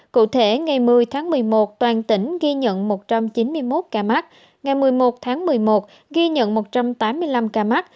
cụ thể ngày một mươi tháng một mươi một toàn tỉnh ghi nhận một trăm chín mươi một ca mắc ngày một mươi một tháng một mươi một ghi nhận một trăm tám mươi năm ca mắc